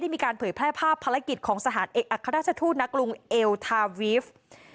มีการเผยแพร่ภาพภารกิจของสถานเอกอัครราชทูตณกรุงเอลทาวีฟ